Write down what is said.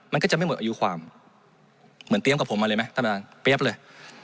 มันก็จะไม่หมดอายุความเหมือนเตรียมกับผมมาเลยไหมท่านประธานเปรี้ยบเลย